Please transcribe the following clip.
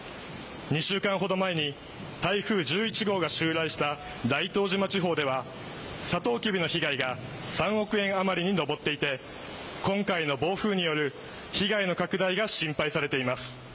２週間ほど前に台風１１号が襲来した大東島地方ではサトウキビの被害が３億円あまりに上っていて今回の暴風による被害の拡大が心配されています。